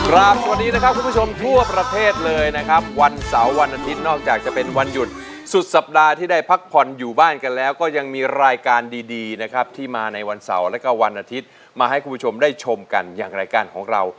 รามวันนี้นะครับคุณผู้ชมทั่วประเทศเลยนะครับวันเสาร์วันอาทิตย์นอกจากจะเป็นวันหยุดสุดสัปดาห์ที่ได้พักผ่อนอยู่บ้านกันแล้วก็ยังมีรายการดีนะครับที่มาในวันเสาร์แล้วก็วันอาทิตย์มาให้คุณผู้ชมได้ชมกันอย่างรายการของเรา